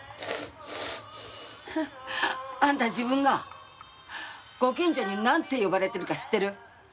あんた自分がご近所になんて呼ばれてるか知ってる？